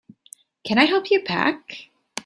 Can I help you pack?